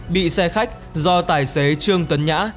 bị xe khách do tài xế trương tấn nhã